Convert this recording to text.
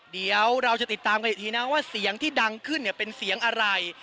เดี๋ยวเราจะติดตามกันอีกทีนะว่าเสียงที่ดังขึ้นเนี่ยเป็นเสียงอะไร